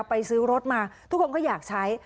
ไปซื้อรถมาทุกคนก็อยากใช้